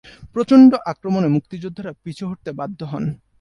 প্রচণ্ড আক্রমণে মুক্তিযোদ্ধারা পিছু হটতে বাধ্য হন।